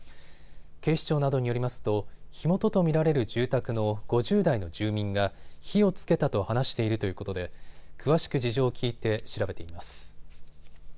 警視庁などによりますと火元と見られる住宅の５０代の住民が火をつけたと話しているということで詳しく事情を聞いて調べています。